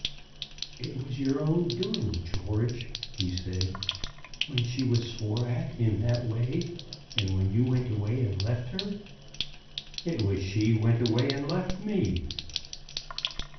"It was your own doing, George," he said. "When she was swore at in that way, and when you went away and left her ." "It was she went away and left me."